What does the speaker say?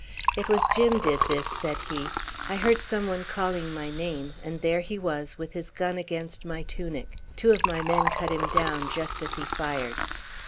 "It was Jim did this," said he. "I heard someone calling my name, and there he was with his gun against my tunic. Two of my men cut him down just as he fired.